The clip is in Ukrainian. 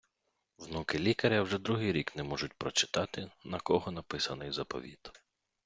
Внуки лікаря вже другий рік не можуть прочитати на кого написаний заповіт